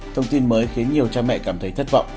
thông tin mới khiến nhiều cha mẹ cảm thấy thất vọng